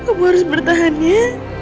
kamu harus bertahan ya